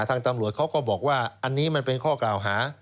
ทางตำรวจเขาก็บอกว่าอันนี้มันเป็นข้อกล่าวหา